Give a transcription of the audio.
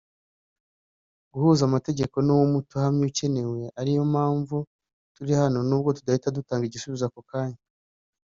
guhuza amategeko ni wo muti uhamye ukenewe ari yo mpamvu turi hano nubwo tudahita dutanga igisubizo aka kanya”